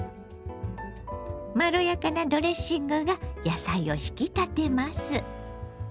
まろやかなドレッシングが野菜を引き立てます。